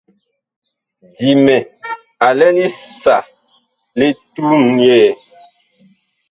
Dimɛ a lɛ li sah li tuun yɛɛ.